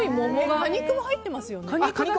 果肉も入っていますよね？